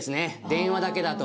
電話だけだと。